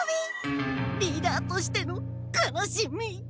リーダーとしての悲しみ。